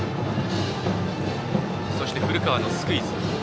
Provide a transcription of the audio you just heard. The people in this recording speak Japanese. そして古川のスクイズ。